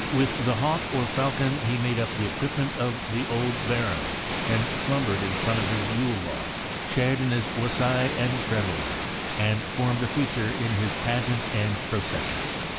With the hawk or falcon he made up the equipment of the old baron, and slumbered in front of his yule log, shared in his wassail and revelry, and formed a feature in his 172 THE AMEKICAN BOOK OF THE DOG. pageant and procession.